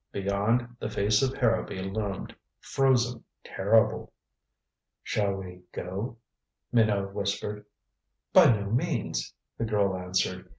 Beyond, the face of Harrowby loomed, frozen, terrible. "Shall we go?" Minot whispered. "By no means," the girl answered.